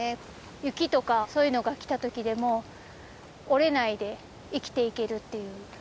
雪とかそういうのが来た時でも折れないで生きていけるっていう。